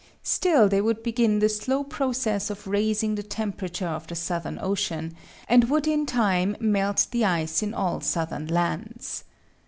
Still they would begin the slow process of raising the temperature of the Southern Ocean, and would in time melt the ice in all southern lands.